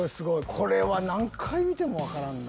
これは何回見ても分からんな。